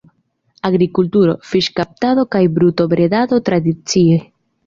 Agrikulturo, fiŝkaptado kaj brutobredado tradicie.